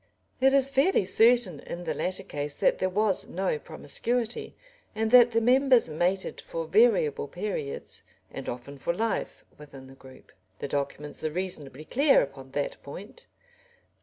] It is fairly certain in the latter case that there was no "promiscuity," and that the members mated for variable periods, and often for life, within the group. The documents are reasonably clear upon that point.